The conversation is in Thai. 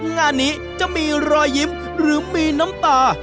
งานนี้จะมีรอยยิ้มหรือมีน้ำตา